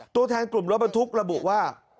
ตัวแทนกลุ่มรถบรรทุกระบุว่า